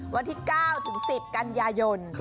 วันที่๙ถึง๑๐กันยายน